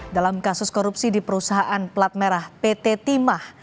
dalam kasus korupsi di perusahaan plat merah pt timah